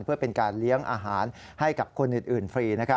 เพื่อเป็นการเลี้ยงอาหารให้กับคนอื่นฟรี